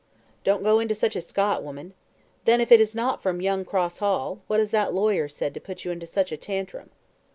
"Don't go into such a scot, woman. Then, if it is not from young Cross Hall, what has that lawyer said to put you into such a tantrum?"